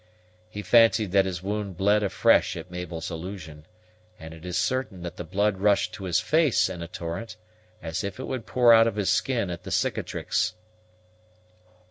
He fancied that his wound bled afresh at Mabel's allusion; and it is certain that the blood rushed to his face in a torrent, as if it would pour out of his skin at the cicatrix.